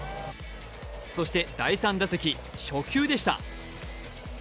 そして第３打席、初球でした。